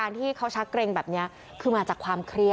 อ่าเร็ว